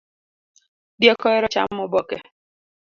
Diek ohero chamo oboke